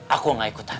aku gak ikutan